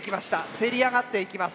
せり上がっていきます。